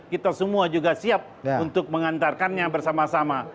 kita semua juga siap untuk mengantarkannya bersama sama